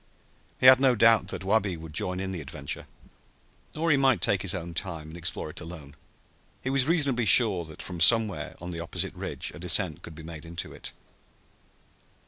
He had no doubt that Wabi would join in the adventure. Or he might take his own time, and explore it alone. He was reasonably sure that from somewhere on the opposite ridge a descent could be made into it.